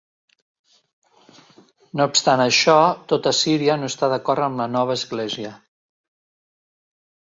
No obstant això, tota Síria no està d'acord amb la nova església.